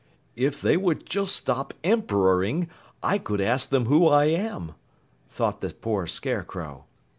"If they would just stop emperoring, I could ask them who I am," thought the poor Scarecrow.